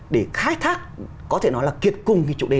để khai thác có thể nói là kiệt cùng cái chủ đề